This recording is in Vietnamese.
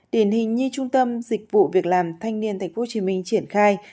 điển hình như trung tâm dịch vụ việc làm thanh niên tp hcm triển khai